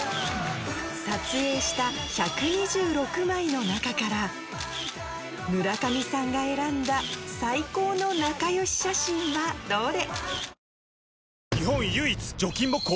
撮影した１２６枚の中から村上さんが選んだ最高の仲良し写真はどれ？